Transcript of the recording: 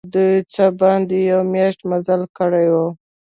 دوی څه باندي یوه میاشت مزل کړی وو.